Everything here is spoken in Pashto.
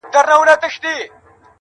انساني حقونه تر پښو للاندي کيږي,